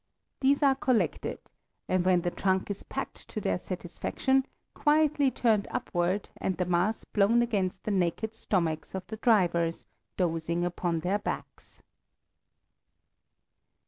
These are collected, and when the trunk is packed to their satisfaction, quietly curled upward and the mass blown against the naked stomachs of the drivers dozing upon their backs.